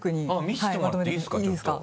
見せてもらっていいですか？